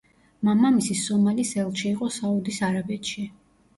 მამამისი სომალის ელჩი იყო საუდის არაბეთში.